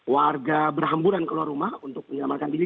warga berhamburan keluar rumah untuk menyelamatkan diri